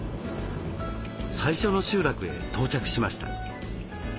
最初の集落へ到着しました。